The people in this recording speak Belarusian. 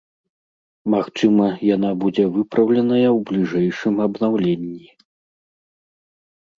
Магчыма, яна будзе выпраўленая ў бліжэйшым абнаўленні.